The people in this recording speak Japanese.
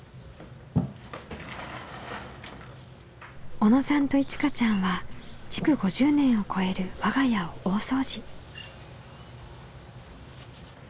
小野さんといちかちゃんは築５０年を超える我が家を大掃除。